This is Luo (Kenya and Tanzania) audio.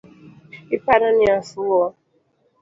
Iparo ni afuwo?